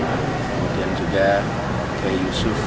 kemudian juga kiai yusuf